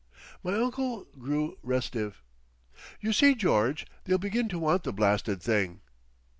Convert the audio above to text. My uncle grew restive.... "You see, George, they'll begin to want the blasted thing!"